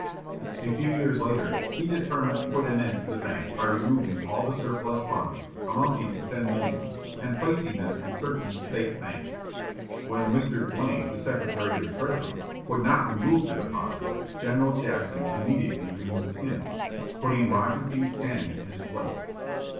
A few years later he determined to put an end to the bank by removing all the surplus funds, amounting to ten millions, and placing them in certain State banks. When Mr. Duane, the Secretary of the Treasury, would not remove the deposits, General Jackson immediately removed him, putting Roger B. Taney in his place.